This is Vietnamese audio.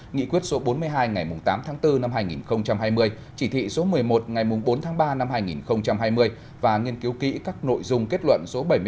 nghị quyết số bốn mươi hai ngày tám tháng bốn năm hai nghìn hai mươi chỉ thị số một mươi một ngày bốn tháng ba năm hai nghìn hai mươi và nghiên cứu kỹ các nội dung kết luận số bảy mươi ba